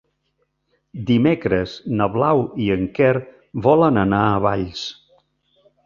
Dimecres na Blau i en Quer volen anar a Valls.